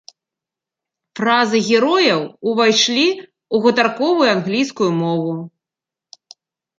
Фразы герояў ўвайшлі ў гутарковую англійскую мову.